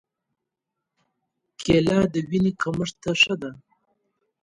کېله د وینې کمښت ته ښه ده.